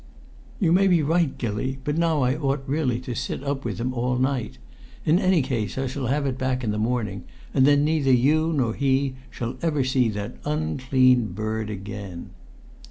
"You may be right, Gilly, but now I ought really to sit up with him all night. In any case I shall have it back in the morning, and then neither you nor he shall ever see that unclean bird again!"